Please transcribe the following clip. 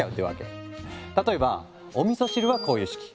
例えばおみそ汁はこういう式。